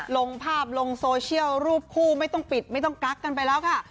ลงภาพลงโซเชียลรูปคู่ไม่ต้องปิดไม่ต้องกักกันไปแล้วค่ะ